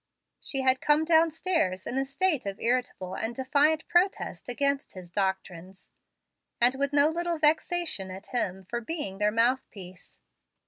She had come downstairs in a state of irritable and defiant protest against his doctrines, and with no little vexation at him for being their mouth piece.